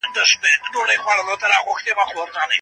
د قصاص په صورت کي انسان وژل کیږي.